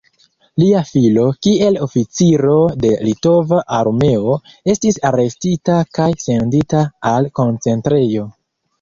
Lia filo, kiel oficiro de litova armeo, estis arestita kaj sendita al koncentrejo.